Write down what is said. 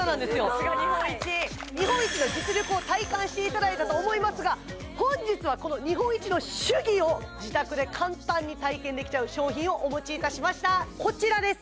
さすが日本一日本一の実力を体感していただいたと思いますが本日はこの日本一の手技を自宅で簡単に体験できちゃう商品をお持ちいたしましたこちらです